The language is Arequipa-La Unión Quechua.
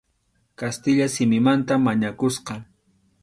Kastilla simimanta mañakusqa.